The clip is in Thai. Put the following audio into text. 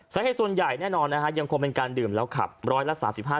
สาเหตุส่วนใหญ่แน่นอนนะฮะยังคงเป็นการดื่มแล้วขับร้อยละ๓๕